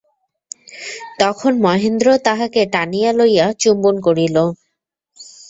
তখন মহেন্দ্র তাহাকে টানিয়া লইয়া চুম্বন করিল।